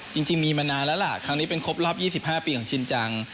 จริงมีมานานแล้วล่ะครั้งนี้เป็นครบรอบ๒๕ปีของชินจัง